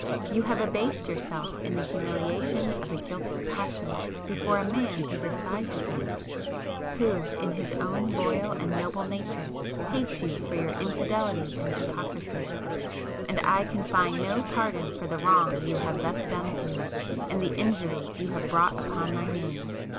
You have abased yourself in the humiliation of a guilty passion before a man who despises you,—who, in his own loyal and noble nature, hates you for your infidelity and hypocrisy,—and I can find no pardon for the wrong you have thus done to me, and the injury you have brought upon my name.